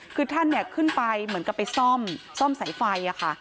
คือท่านขึ้นไปเหมือนกับไปซ่อมซ่อมสายไฟค่ะ